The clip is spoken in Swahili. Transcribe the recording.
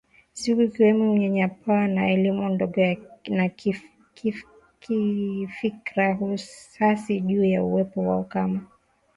siku ikiwemo unyanyapaa na elimu ndogo na fikra hasi juu ya uwepo wao kama